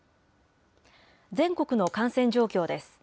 全国の感染状況です。